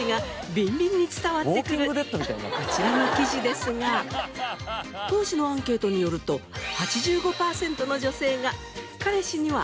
ビンビンに伝わってくるこちらの記事ですが当時のアンケートによると。と回答。